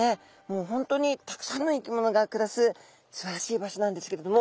もう本当にたくさんの生き物が暮らすすばらしい場所なんですけれども。